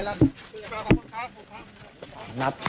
ยินปืน๓กระบอกไม่ลั่น